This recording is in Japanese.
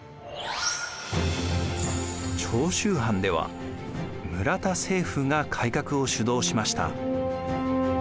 長州藩では村田清風が改革を主導しました。